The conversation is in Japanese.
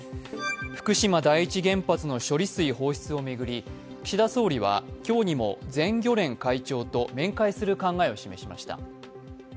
福島第一原発の処理水放出を巡り岸田総理は今日にも全漁連会長と面会する考えを示しました。